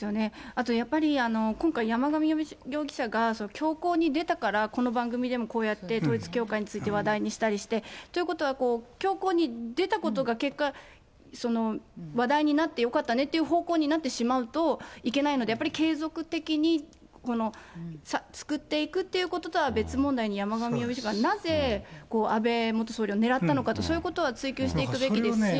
あと、やっぱり、今回、山上容疑者が強硬に出たから、この番組でもこうやって、統一教会について話題にしたりして、ということは、凶行に出たことが結果、話題になってよかったねっていう方向になってしまうといけないので、やっぱり継続的にこの救っていくっていうこととは別問題に、山上容疑者がなぜ安倍元総理を狙ったのかって、そういうことは追及していくべきですし。